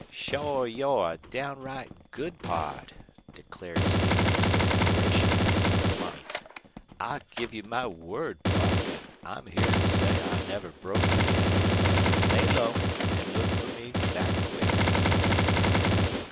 "Shore you're a downright good pard," declared Stevens, in admiration, as he took the money. "I give my word, Buck, an' I'm here to say I never broke it yet. Lay low, an' look fer me back quick."